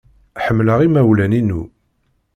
Ḥemmleɣ imawlen-innu.